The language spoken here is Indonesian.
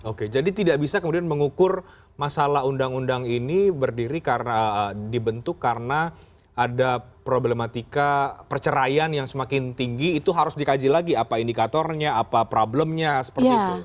oke jadi tidak bisa kemudian mengukur masalah undang undang ini berdiri karena dibentuk karena ada problematika perceraian yang semakin tinggi itu harus dikaji lagi apa indikatornya apa problemnya seperti itu